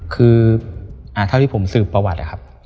คือเท่าที่ผมสืบประวัตินะครับ